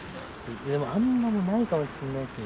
でもあんまりないかもしんないですね。